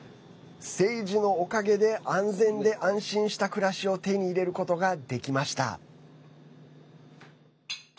ＳＡＧＥのおかげで安全で安心した暮らしを手に入れることができました。